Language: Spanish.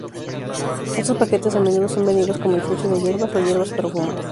Estos paquetes a menudo son vendidos como incienso de hierbas o "hierbas para fumar".